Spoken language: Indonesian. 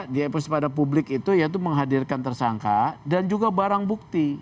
diekspos kepada publik itu menghadirkan tersangka dan juga barang bukti